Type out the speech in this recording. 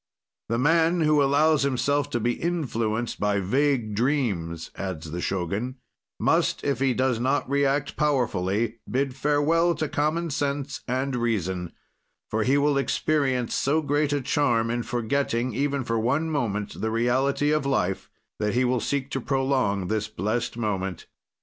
"The man who allows himself to be influenced by vague dreams," adds the Shogun, "must, if he does not react powerfully, bid farewell to common sense and reason; for he will experience so great a charm in forgetting, even for one moment, the reality of life, that he will seek to prolong this blest moment.